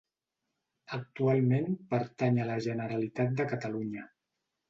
Actualment pertany a la Generalitat de Catalunya.